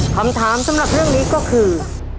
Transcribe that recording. คำถามสำหรับเรื่องนี้ก็คือ